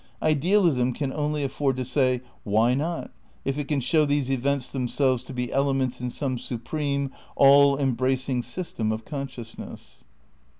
Idealism can only afford to say Why not? if it can show these events themselves to be elements in some supreme, all embracing system of consciousness.